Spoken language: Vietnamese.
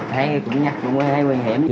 hay cũng nhặt hay nguy hiểm